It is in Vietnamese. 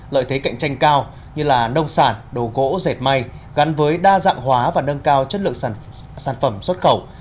lợi thế cạnh tranh cao như nông sản đồ gỗ dệt may gắn với đa dạng hóa và nâng cao chất lượng sản phẩm xuất khẩu